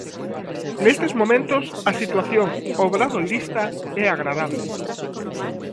Nestes momentos a situación obradoirista é agradable.